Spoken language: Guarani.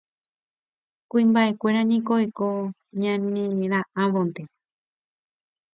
Kuimba'ekuéra niko oiko ñanera'ãvonte